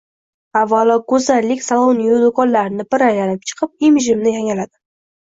Avvalo, go'zallik saloniyu do'konlarni bir aylanib chiqib, imijimni yangiladim